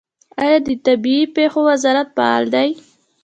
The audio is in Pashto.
آیا د طبیعي پیښو وزارت فعال دی؟